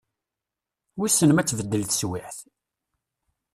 Wissen ma ad tbeddel teswiɛt?